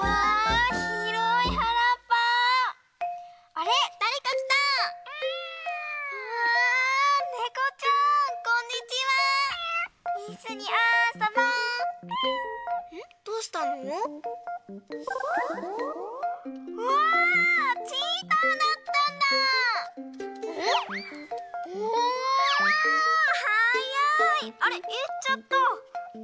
あれいっちゃった。